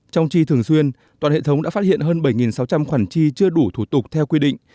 trong chi thường xuyên toàn hệ thống đã phát hiện hơn bảy sáu trăm linh khoản chi chưa đủ thủ tục theo quy định